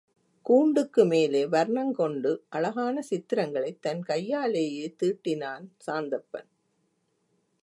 கூண்டுக்கு மேலே வர்ணங் கொண்டு அழகான சித்திரங்களைத் தன் கையாலேயே தீட்டினான் சாந்தப்பன்.